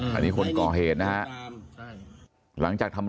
วันอีกนานก็เถอะ